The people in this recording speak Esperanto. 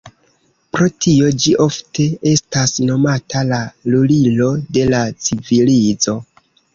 Pro tio ĝi ofte estas nomata la "lulilo de la civilizo".